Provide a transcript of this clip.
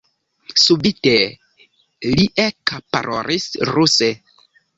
Subite li ekparolis ruse: